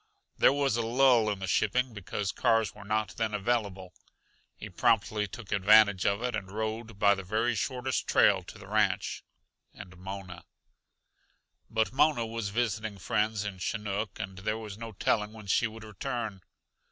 There was a lull in the shipping because cars were not then available. He promptly took advantage of it and rode by the very shortest trail to the ranch and Mona. But Mona was visiting friends in Chinook, and there was no telling when she would return.